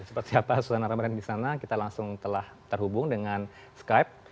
seperti apa susana ramadhani disana kita langsung telah terhubung dengan skype